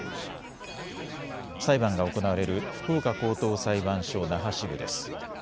裁判が行われる福岡高等裁判所那覇支部です。